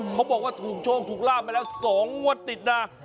เขาบอกว่าถูกโชคถูกลาบมาแล้ว๒งวดติดนะ